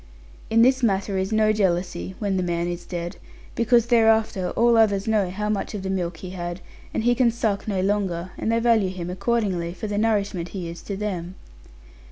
In this matter is no jealousy (when the man is dead); because thereafter all others know how much of the milk be had; and he can suck no longer; and they value him accordingly, for the nourishment he is to them.